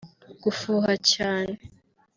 Gufuha cyane